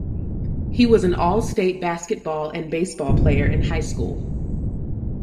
He was an all-state basketball and baseball player in high school.